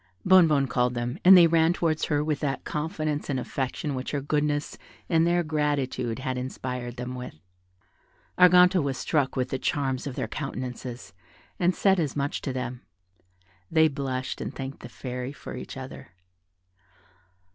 Bonnebonne called them, and they ran towards her with that confidence and affection which her goodness and their gratitude had inspired them with. Arganto was struck with the charms of their countenances, and said as much to them; they blushed, and thanked the Fairy for each other.